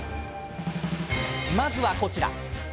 まずは、こちら。